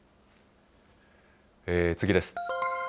次です。